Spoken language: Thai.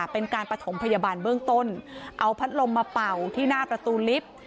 เป็นการประถมพยาบาลเบื้องต้นเอาพัดลมมาเป่าที่หน้าประตูลิฟต์